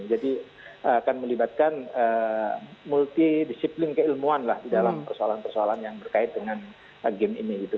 jadi akan melibatkan multidisiplin keilmuan lah di dalam persoalan persoalan yang berkait dengan game ini